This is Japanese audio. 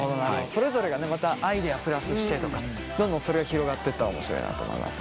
それぞれがねまたアイデアプラスしてとかどんどんそれが広がっていったら面白いなと思います。